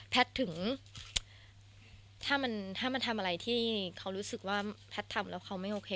ถึงถ้ามันทำอะไรที่เขารู้สึกว่าแพทย์ทำแล้วเขาไม่โอเค